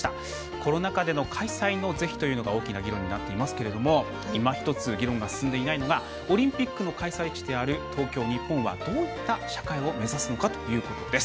コロナ禍での開催の是非というのが大きな議論になっていますがいまひとつ、議論が進んでいないのがオリンピックの開催地である東京、日本はどういった社会を目指すのかということです。